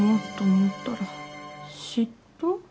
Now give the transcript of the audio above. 嫉妬？